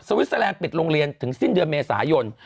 วิสเตอร์แลนดปิดโรงเรียนถึงสิ้นเดือนเมษายน